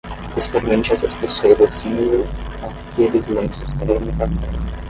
Experimente essas pulseiras cinza com aqueles lenços creme e pastel.